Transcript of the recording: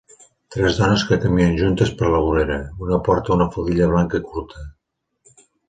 Tres dones que caminen juntes per la vorera, una porta una faldilla blanca curta.